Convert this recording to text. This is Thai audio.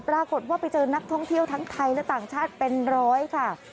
ปรากฏว่าไปเจอนักท่องเที่ยวทั้งไทยและต่างชาติเป็นร้อยค่ะ